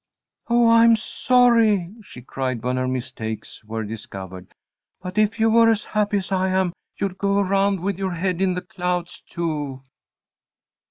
"Oh, I'm sorry," she cried, when her mistakes were discovered, "but if you were as happy as I am you'd go around with your head in the clouds too."